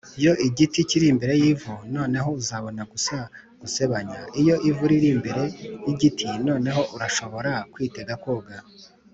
yo igiti kiri imbere yivu, noneho uzabona gusa gusebanya; iyo ivu riri imbere yigiti, noneho urashobora kwitega koga